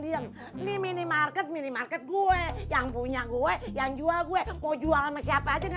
diem nih minimarket minimarket gue yang punya gue yang jual gue mau jual sama siapa aja nih